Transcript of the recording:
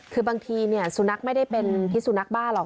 คือบางทีสุนัขไม่ได้เป็นพิสุนักบ้าหรอก